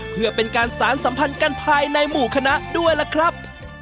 เพื่อเป็นการสารสัมพันธ์กันภายในหมู่คณะด้วยล่ะครับ